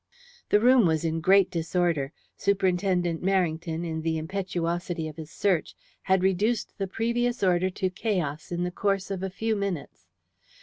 The room was in great disorder. Superintendent Merrington, in the impetuosity of his search, had reduced the previous order to chaos in the course of a few minutes.